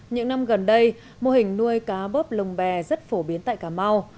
những năm gần đây mô hình nuôi cá bớp lồng bè rất phổ biến tại cà mau